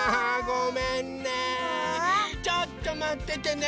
ちょっとまっててね。